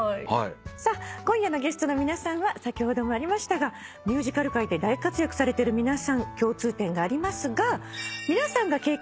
さあ今夜のゲストの皆さんは先ほどもありましたがミュージカル界で大活躍されてる皆さん共通点がありますが。